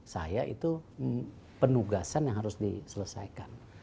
saya itu penugasan yang harus diselesaikan